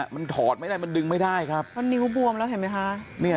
มันถอดไม่ได้มันดึงไม่ได้ครับเพราะนิ้วบวมแล้วเห็นไหมคะ